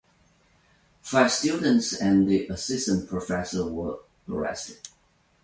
Five students and the assistant professor were arrested.